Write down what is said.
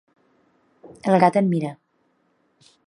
El gat em mira.